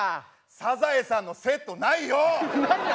サザエさんのセットないよ！ないの！？